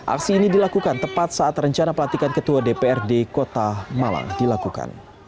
aksi ini dilakukan tepat saat rencana pelantikan ketua dprd kota malang dilakukan